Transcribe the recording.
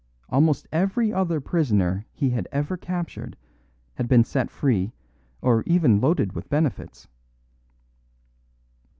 Almost every other prisoner he had ever captured had been set free or even loaded with benefits.